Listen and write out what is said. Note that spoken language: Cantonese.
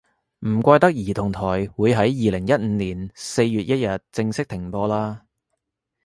唔怪得兒童台會喺二零一五年四月一日正式停播啦